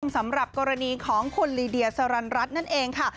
สำหรับกรณีของคุณลีเดียสรรรัตน์นั่นเองค่ะ